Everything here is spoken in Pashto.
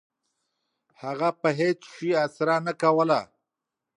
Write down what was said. هغه په هیڅ شي اسره نه کوله. .